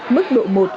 mức độ một